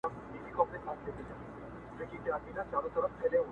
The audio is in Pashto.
د بازار سوداوي شروع سي